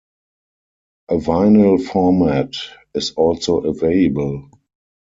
A vinyl format is also available.